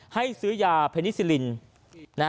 ให้ซื้อยาเพนิซิลิน